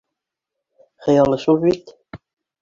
Хыялы шул бит